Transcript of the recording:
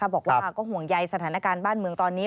บอกว่าก็ห่วงใยสถานการณ์บ้านเมืองตอนนี้